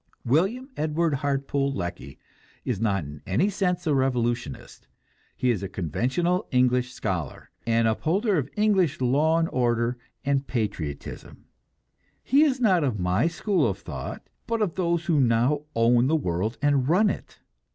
William Edward Hartpole Lecky is not in any sense a revolutionist; he is a conventional English scholar, an upholder of English law and order and patriotism. He is not of my school of thought, but of those who now own the world and run it.